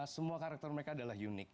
semua karakter mereka adalah unik